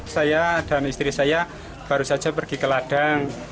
saya dan istri saya baru saja pergi ke ladang